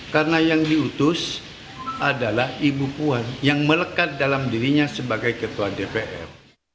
karena yang diutus adalah ibu puan yang melekat dalam dirinya sebagai ketua dpr